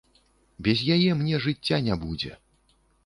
Без яе мне жыцця не будзе!